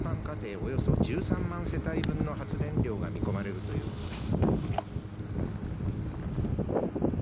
およそ１３万世帯分の発電量が見込まれるということです。